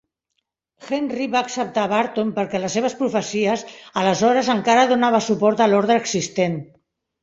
Henry va acceptar a Barton perquè les seves profecies aleshores encara donava suport a l'ordre existent.